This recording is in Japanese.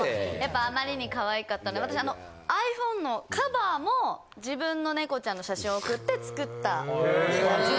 やっぱあまりにかわいかったんで、私、ｉＰｈｏｎｅのカバーも自分の猫ちゃんの写真を送って作った。